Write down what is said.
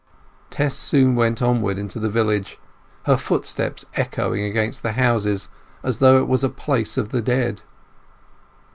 Tess soon went onward into the village, her footsteps echoing against the houses as though it were a place of the dead.